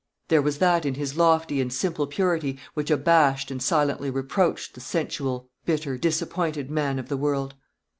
There was that in his lofty and simple purity which abashed and silently reproached the sensual, bitter, disappointed man of the world.